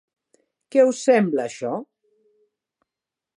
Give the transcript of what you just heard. Què us sembla, això?